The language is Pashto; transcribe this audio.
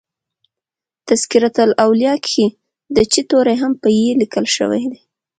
" تذکرةالاولیاء" کښي د "چي" توری هم په "ي" لیکل سوی دئ.